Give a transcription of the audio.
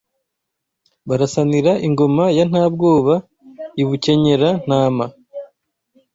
Barasanira ingoma ya Ntabwoba i Bukenyera-ntama